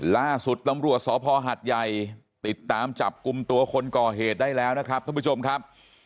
ล่าสุดตำรวจสพหัดใหญ่ติดตามจับกลุ่มตัวคนก่อเหตุได้แล้วนะครับท่านผู้ชมครับ